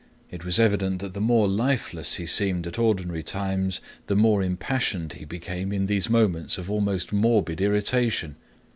It was evident that the more lifeless he seemed at ordinary times, the more impassioned he became in these moments of almost morbid irritation.